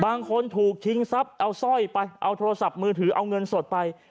บางคนถูกชิงทรัพย์เอาสร้อยไปเอาโทรศัพท์มือถือเอาเงินสดไป